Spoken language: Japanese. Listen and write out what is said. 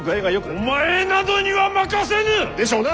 お前などには任せぬ！でしょうな！